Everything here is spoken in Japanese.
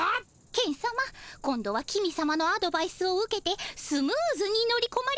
ケンさま今度は公さまのアドバイスを受けてスムーズに乗りこまれました！